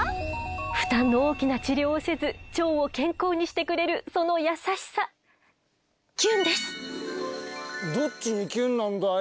負担の大きな治療をせず腸を健康にしてくれるその優しさどっちにキュンなんだよ？